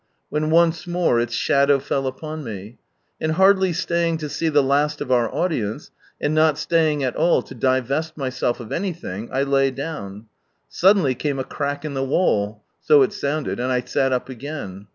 when once more its shadow fell upon me — and hardly staying to see the last of our audience, and not staying at all to divest myself of anything, I lay down ... suddenly came a crack in the wall, so it sounded, and I sat up again.